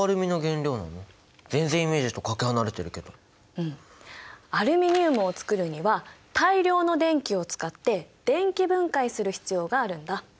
うんアルミニウムを作るには大量の電気を使って電気分解する必要があるんだ。